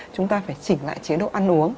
chúng ta phải chỉnh lại chế độ ăn uống